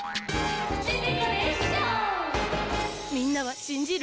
みんなはしんじる？